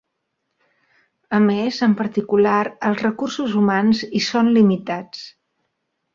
A més, en particular els recursos humans hi són limitats.